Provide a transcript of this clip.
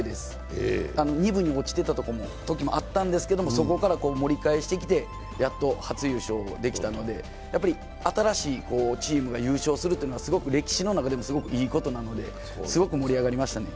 ２部に落ちていたときもあったんですけども、そこから盛り返してきてやっと初優勝できたので、新しいチームが優勝するというのは歴史の中でもすごくいいことなので、すごく盛り上がりましたね。